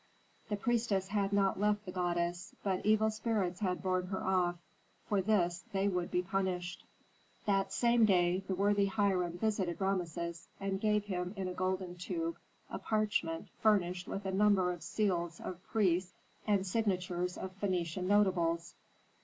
The priestess had not left the goddess, but evil spirits had borne her off; for this they would be punished. That same day the worthy Hiram visited Rameses and gave him in a gold tube a parchment furnished with a number of seals of priests and signatures of Phœnician notables.